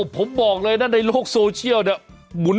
ผมบอกเลยนะในโลกโซเชียลเนี่ย